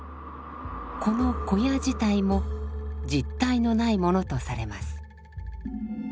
この小屋自体も実体のないものとされます。